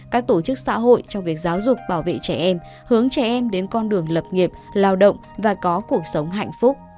các tổ chức xã hội trong việc giáo dục bảo vệ trẻ em hướng trẻ em đến con đường lập nghiệp lao động và có cuộc sống hạnh phúc